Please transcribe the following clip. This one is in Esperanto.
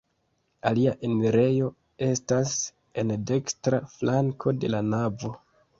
Alia enirejo estas en dekstra flanko de la navo.